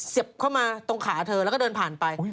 เข้ามาตรงขาเธอแล้วก็เดินผ่านไป